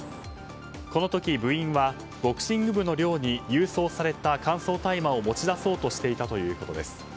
この時、部員はボクシング部の寮に郵送された乾燥大麻を持ち出そうとしていたということです。